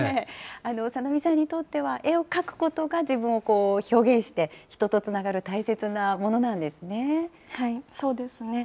さなみさんにとっては、絵を描くことが自分を表現して、人とつながる大切なものなんですそうですね。